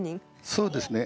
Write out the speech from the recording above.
そうですね。